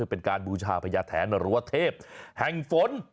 เป็นการบูชาพัยาแถนนรัวเทพแห่งฝน